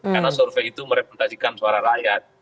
karena survei itu merepresentasikan suara rakyat